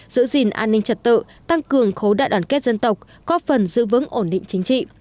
giữ gìn an ninh trật tự tăng cường khối đại đoàn kết dân tộc có phần giữ vững ổn định chính trị